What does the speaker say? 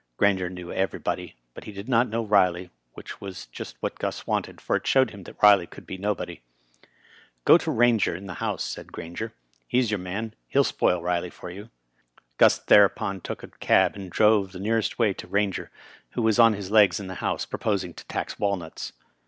Grainger knew everybody, but he did not know Ri ley, which was just what Gus wanted, for it showed him that Riley could be nobody. "Go to Eainger in the House," said Grainger. "He's your man. He'll spoil Riley for you." Gus thereupon took a cab and drove the nearest way to Rainger, who was on his legs in the Housq, proposing to tax walnuts.